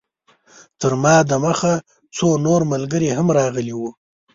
تر ما د مخه څو نور ملګري هم راغلي وو.